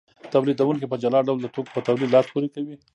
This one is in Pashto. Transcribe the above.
تولیدونکي په جلا ډول د توکو په تولید لاس پورې کوي